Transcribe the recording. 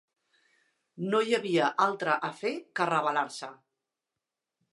No hi havia altre a fer que rebel·lar-se.